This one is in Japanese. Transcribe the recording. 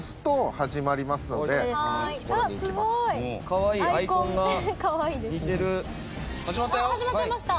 始まっちゃいました。